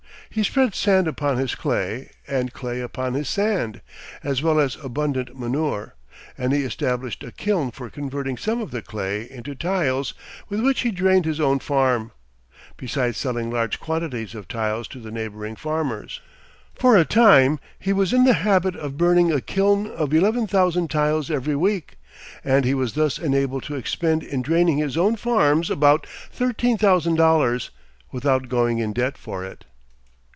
He spread sand upon his clay, and clay upon his sand, as well as abundant manure, and he established a kiln for converting some of the clay into tiles, with which he drained his own farm, besides selling large quantities of tiles to the neighboring farmers. For a time, he was in the habit of burning a kiln of eleven thousand tiles every week, and he was thus enabled to expend in draining his own farms about thirteen thousand dollars, without going in debt for it.